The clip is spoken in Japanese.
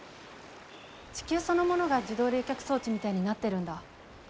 地球そのものが自動冷却装置みたいになってるんだ。